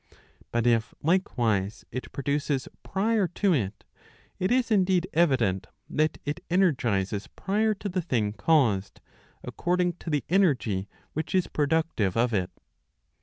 But if likewise it produces prior to it, it is indeed evident that it energises prior to the thing caused, according to the energy which is productive of it.